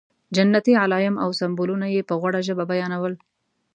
جنتي علایم او سمبولونه یې په غوړه ژبه بیانول.